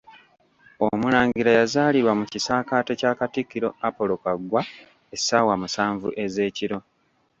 Omulangira yazaalirwa mu kisaakate kya Katikkiro Apolo Kaggwa essaawa musanvu ez'ekiro.